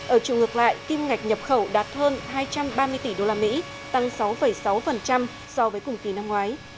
ở trường ngược lại kim ngày nhập khẩu đạt hơn hai trăm ba mươi tỷ đô la mỹ tăng sáu sáu so với cùng kỳ năm ngoái